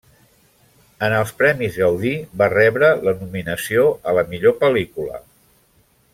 En els Premis Gaudí, va rebre la nominació a la millor pel·lícula.